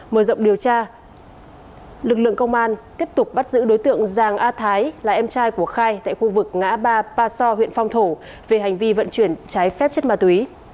mở rộng điều tra lực lượng công an tiếp tục bắt giữ đối tượng giàng a thái là em trai của khai tại khu vực ngã ba pa so huyện phong thổ về hành vi vận chuyển trái phép chất ma túy